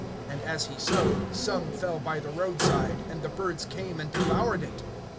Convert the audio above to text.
And as he sowed, some fell by the way side, and the birds came and devoured them.